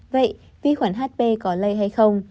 vậy vi khuẩn hp có lây hay không